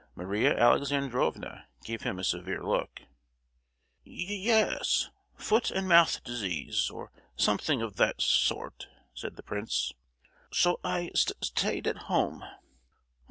Maria Alexandrovna gave him a severe look. "Ye—yes, foot and mouth disease, or something of that s—sort," said the prince; "so I st—stayed at home.